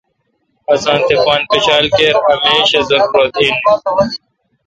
مٹھ پان پشال اے°کیر اہ میش۔ اے ضرورت این۔